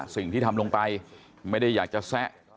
สิ่งที่ทำลงไปไม่ได้อยากจะแซะ